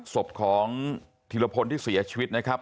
สวบของมีละคนที่เสียชีวิตนะครับ